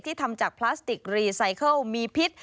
ทำจากพลาสติกรีไซเคิลมีพิษ